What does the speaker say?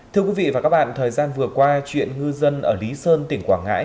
thưa quý vị và các bạn thời gian vừa qua chuyện ngư dân ở lý sơn tỉnh quảng ngãi